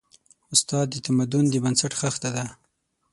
استاد د تمدن د بنسټ خښته ده.